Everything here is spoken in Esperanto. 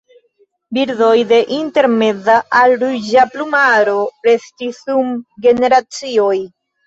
Birdoj de intermeza al ruĝa plumaro restis dum generacioj.